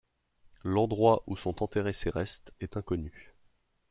L'endroit où sont enterrés ses restes est inconnu.